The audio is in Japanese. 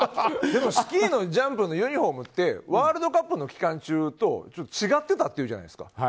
でもスキーのジャンプのユニホームってワールドカップの期間中と違ってたっていうじゃないですか。